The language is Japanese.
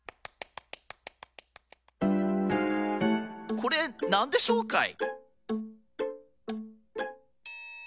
これなんでしょうかい？